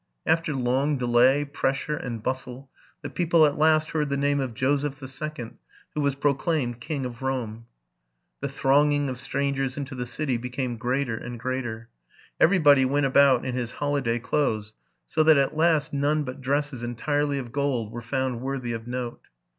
After long delay, pressure, and bustle, the people at last heard the name of Joseph the Second, who was proclaimed King of Rome. The thronging of strangers into the city became greater and greater. Everybody went about in his holiday clothes, s0 that at last none but dresses entirely of gold were found worthy of note.